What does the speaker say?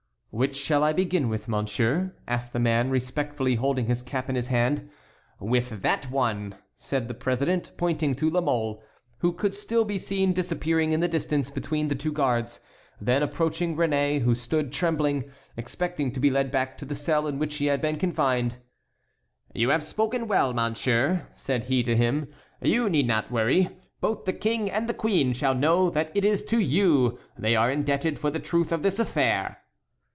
"Which shall I begin with, monsieur?" asked the man, respectfully holding his cap in his hand. "With that one," said the president, pointing to La Mole, who could still be seen disappearing in the distance between the two guards. Then approaching Réné, who stood trembling, expecting to be led back to the cell in which he had been confined: "You have spoken well, monsieur," said he to him, "you need not worry. Both the King and the queen shall know that it is to you they are indebted for the truth of this affair."